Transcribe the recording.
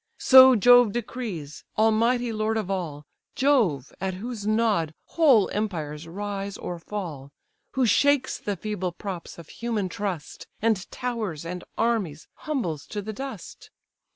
So Jove decrees, almighty lord of all! Jove, at whose nod whole empires rise or fall, Who shakes the feeble props of human trust, And towers and armies humbles to the dust.